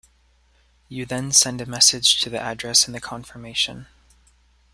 You then send a message to the address in the confirmation.